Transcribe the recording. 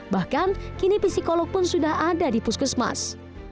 bahkan kini psikolog pun sudah ada di puskesmas